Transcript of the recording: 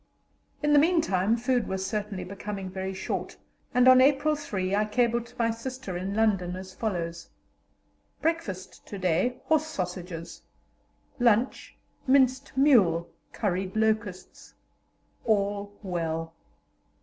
In the meantime food was certainly becoming very short, and on April 3 I cabled to my sister in London as follows: "Breakfast to day, horse sausages; lunch, minced mule, curried locusts. All well."